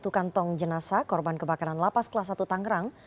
satu kantong jenazah korban kebakaran lapas kelas satu tangerang